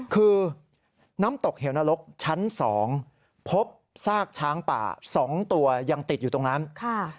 คือน้ำตกเหวนรกชั้นสองพบซากช้างป่าสองตัวยังติดอยู่ตรงนั้นค่ะ